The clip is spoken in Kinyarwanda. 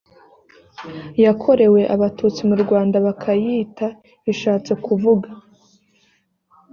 yakorewe abatutsi mu rwanda bakayita bishatse kuvuga